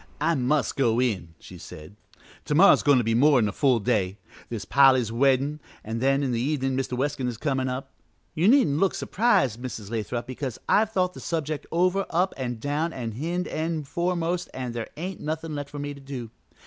"I must go in," she said, "to morrow is goin' to be a more 'n full day. There's Polly's weddin' an' then in the evenin' Mr. Weskin is comin' up. You needn't look surprised, Mrs. Lathrop, because I've thought the subject over up an' down an' hind end foremost an' there ain't nothin' left for me to do.